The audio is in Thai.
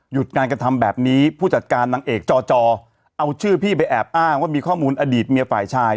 การกระทำแบบนี้ผู้จัดการนางเอกจอจอเอาชื่อพี่ไปแอบอ้างว่ามีข้อมูลอดีตเมียฝ่ายชาย